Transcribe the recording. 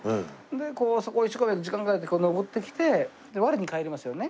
でそこへ一生懸命時間かけて登ってきてで我に返りますよね。